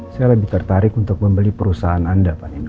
saya lebih tertarik untuk membeli perusahaan anda pak nino